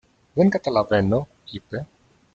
Δεν καταλαβαίνω, είπε.